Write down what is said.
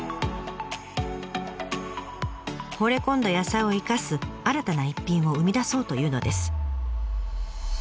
ほれ込んだ野菜を生かす新たな一品を生み出そうというのです。